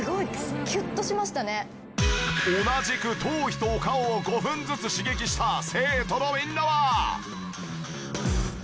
同じく頭皮とお顔を５分ずつ刺激した生徒のみんなは。